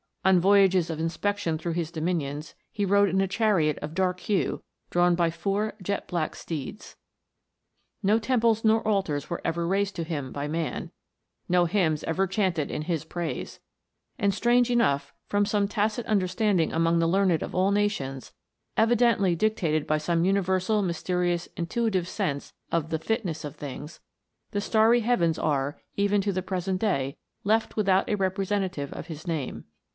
On voyages of inspection through his dominions, he rode in a chariot of dark hue, drawn by four jet black steeds. No temples nor altars were ever raised to him by man j no hymns ever chanted in his praise ; and strange enough, from some tacit understanding among the learned of all nations, evidently dictated by some universal mysterious intuitive sense of the " fitness of things," the starry heavens are, even to the present day, left without a representative of his name.